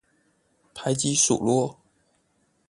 排擠數落